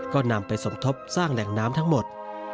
ก็นำไปสมทบสร้างแหล่งน้ำทั้งหมด